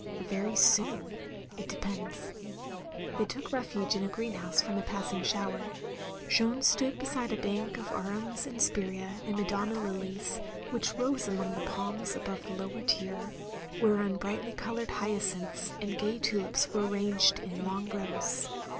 "Very soon — ^it depends." They took refuge in a greenhouse from a passing shower. Jeanne stood beside a bank of arums and spirea and Madonna lilies, which rose among the palms above the lower tier, whereon brightly coloured hyacinths and gay tulips were ranged in long rows.